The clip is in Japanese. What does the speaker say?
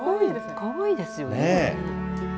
かわいいですよね。